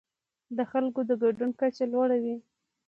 د خلکو د ګډون کچه لوړه وي.